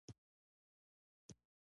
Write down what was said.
ښار پاکول د چا دنده ده؟